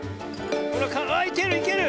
ほらあっいけるいける！